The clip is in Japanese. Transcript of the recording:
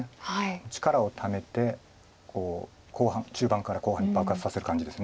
力をためて中盤から後半に爆発させる感じです。